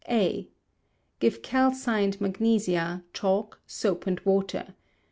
A. Give calcined magnesia, chalk, soap and water.